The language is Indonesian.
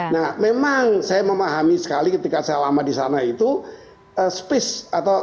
nah memang saya memahami sekali ketika saya lama di sana itu space atau